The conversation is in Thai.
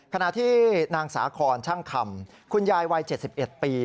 ขณะที่นางสาคอนช่างคำคุณยายวัย๗๑ปี